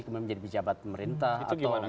kemudian menjadi pejabat pemerintah atau